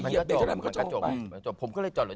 เหยียบเบรกเท่าไหร่มันก็จมลงไป